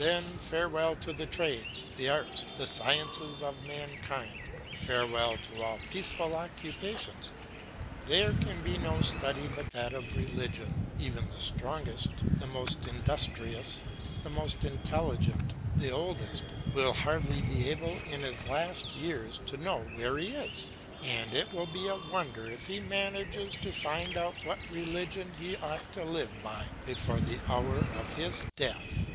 Then farewell to the trades, the arts, the sciences of mankind, farewell to all peaceful occupations; there can be no study but that of religion, even the strongest, the most industrious, the most intelligent, the oldest, will hardly be able in his last years to know where he is; and it will be a wonder if he manages to find out what religion he ought to live by, before the hour of his death.